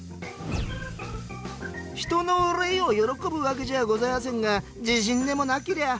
「人の憂いを喜ぶわけじゃあございやせんが地震でもなけりゃあ